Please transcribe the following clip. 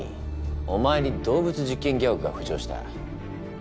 お前に動物実験ぎわくが浮上した。